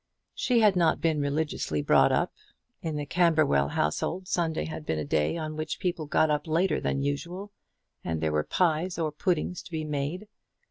She had not been religiously brought up. In the Camberwell household Sunday had been a day on which people got up later than usual, and there were pies or puddings to be made.